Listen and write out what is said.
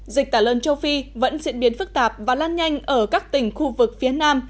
dịch tả lợn châu phi vẫn diễn biến phức tạp và lan nhanh ở các tỉnh khu vực phía nam